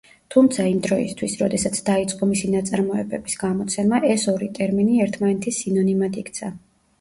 თუმცა, იმ დროისთვის, როდესაც დაიწყო მისი ნაწარმოებების გამოცემა, ეს ორი ტერმინი ერთმანეთის სინონიმად იქცა.